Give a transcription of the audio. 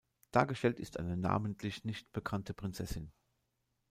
Dargestellt ist eine namentlich nicht bekannte Prinzessin.